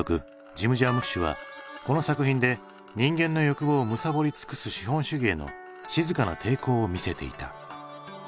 ジム・ジャームッシュはこの作品で人間の欲望をむさぼり尽くす資本主義への静かな抵抗を見せていた。